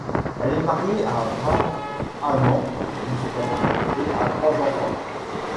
Elle est mariée à Ra'anan Boustan et a trois enfants.